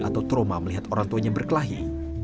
atau trauma melihat orang tuanya berkelahi